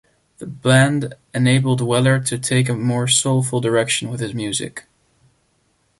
The band enabled Weller to take a more soulful direction with his music.